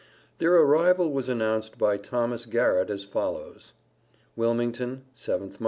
Their arrival was announced by Thomas Garrett as follows: WILMINGTON, 7th mo.